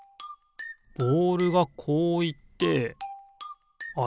ボールがこういってあれ？